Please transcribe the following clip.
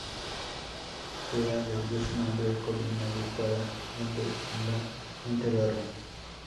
Tea le dio su nombre a colina de Tara, donde la enterraron.